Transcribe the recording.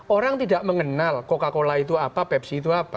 orang tidak mengenal coca cola itu apa pepsi itu apa